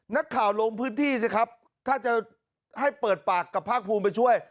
ลงพื้นที่สิครับถ้าจะให้เปิดปากกับภาคภูมิไปช่วย